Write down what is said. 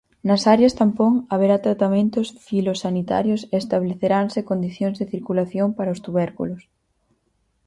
Nas 'áreas tampón' haberá tratamentos filosanitarios e estableceranse condicións de circulación para os tubérculos.